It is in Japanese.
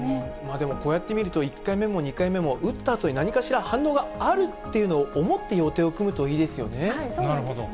でもこうやって見ると、１回目も２回目も打ったあとに何かしら反応があるっていうのを思そうなんですね。